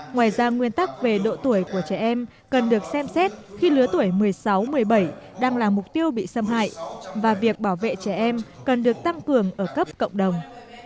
ngoài ra nguyên tắc về độ tuổi của trẻ em cần được xem xét khi lứa tuổi một mươi sáu một mươi bảy đang là mục tiêu bị xâm hại và việc bảo vệ trẻ em cần được tăng cường ở cấp cộng đồng